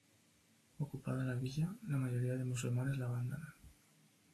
Ocupada la villa, la mayoría de musulmanes la abandonan.